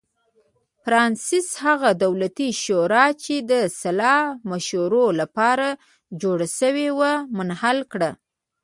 فرانسس هغه دولتي شورا چې د سلا مشورو لپاره جوړه شوې وه منحل کړه.